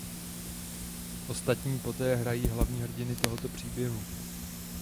Ostatní poté hrají hlavní hrdiny tohoto příběhu.